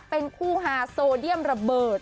เป็นคู่ฮาโซเดียมระเบิด